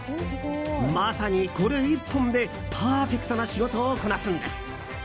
まさに、これ１本でパーフェクトな仕事をこなすんです。